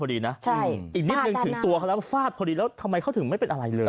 อีกนิดนึงถึงตัวเขาแล้วฟาดพอดีแล้วทำไมเขาถึงไม่เป็นอะไรเลย